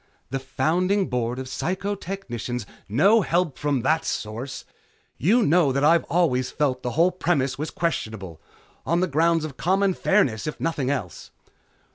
"The founding board of Psychotechnicians " "No help from that source. You know that I've always felt the whole premise was questionable. On the grounds of common fairness, if nothing else."